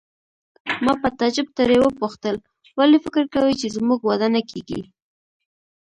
ما په تعجب ترې وپوښتل: ولې فکر کوې چې زموږ واده نه کیږي؟